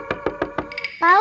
assalamualaikum pak ustadz kmf